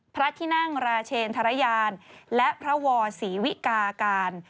พระที่นั่งราชเชนธรยานและพระวศรีวิกาการ